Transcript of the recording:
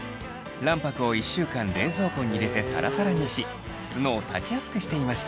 卵白を１週間冷蔵庫に入れてサラサラにしツノを立ちやすくしていました。